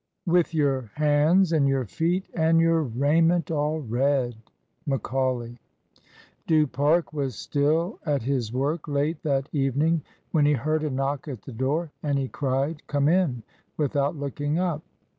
With your hands and your feet and your raiment all red. Macaulay. Du Parc was still at his work late that evening when he heard a knock at the door, and he cried "Come in," without looking up.